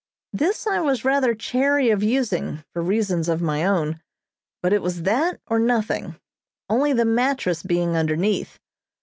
This I was rather chary of using, for reasons of my own, but it was that or nothing, only the mattress being underneath.